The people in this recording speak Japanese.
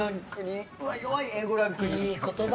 いい言葉。